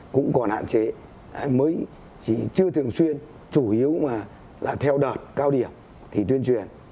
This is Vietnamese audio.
cũng còn hạn chế mới chỉ chưa thường xuyên chủ yếu là theo đợt cao điểm thì tuyên truyền